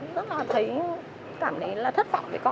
rất là thấy cảm thấy là thất vọng với con